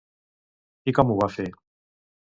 I com ho va fer?